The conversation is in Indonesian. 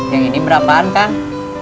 yang ini berapaan kang